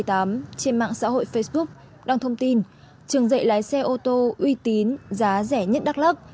trên mạng xã hội facebook đăng thông tin trường dạy lái xe ô tô uy tín giá rẻ nhất đắk lắc